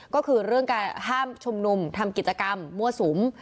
ก็คือเรื่องการห้ามชุมนุมทำกิจกรรมมั่วสุม